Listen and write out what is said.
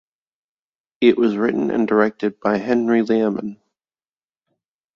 It was written and directed by Henry Lehrman.